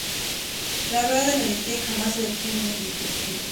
La rueda de la energía jamás se detiene en este lago escondido.